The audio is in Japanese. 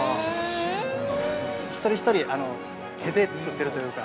一人一人、手で作ってるというか。